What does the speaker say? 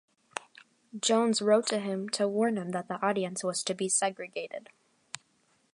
Jones wrote to him to warn him that the audience was to be segregated.